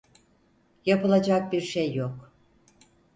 Yapılacak bir şey yok.